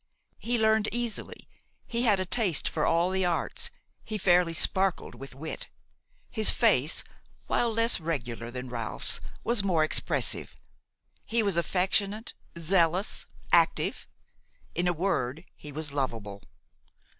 He learned easily, he had a taste for all the arts, he fairly sparkled with wit; his face, while less regular than Ralph's, was more expressive. He was affectionate, zealous, active, in a word, he was lovable.